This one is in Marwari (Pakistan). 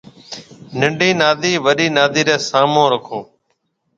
ننڊِي نادِي وڏِي نادِي رَي سامون راکو